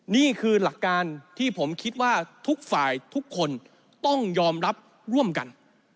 นี่คือหลักการที่ผมคิดว่าทุกฝ่ายทุกคนต้องยอมรับร่วมกัน